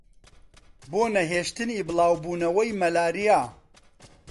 بۆ نەهێشتنی بڵاوبوونەوەی مەلاریا